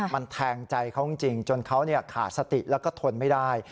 มันแทงใจเขาจริงจนเขาขาดสติแล้วก็ทนไม่ได้